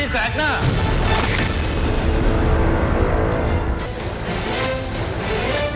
ชุเวศตีแสดหน้า